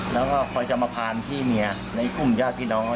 แล้วก็เขาจะมาพานพี่เมียในคุมยาสนี้น้องค่ะ